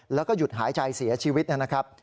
แล้วก็หยุดหายใจเสียชีวิตนะครับ